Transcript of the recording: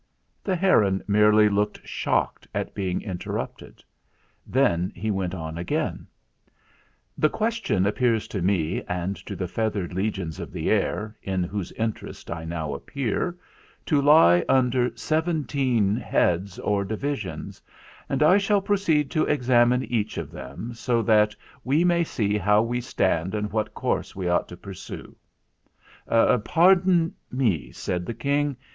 The heron merely looked shocked at being interrupted. Then he went on again: "The question appears to me, and to the feathered legions of the air, in whose interest I now appear, to lie under seventeen heads or divisions; and I shall proceed to examine each of them, so that we may see how we stand and what course we ought to pursue." "Pardon me," said the King.